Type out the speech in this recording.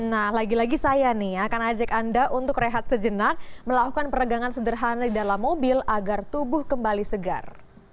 nah lagi lagi saya nih akan ajak anda untuk rehat sejenak melakukan peregangan sederhana di dalam mobil agar tubuh kembali segar